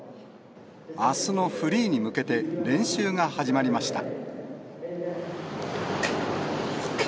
あすのフリーに向けて、練習が始まりました。